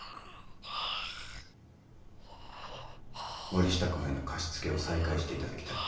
森下くんへの貸し付けを再開して頂きたい。